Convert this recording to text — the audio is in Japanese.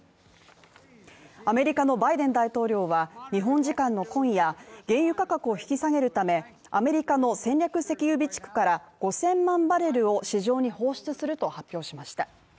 アメリカのバイデン大統領は日本時間の今夜、原油価格を引き下げるためアメリカの戦略石油備蓄から５０００万バレルを市場に放出すると発表しました。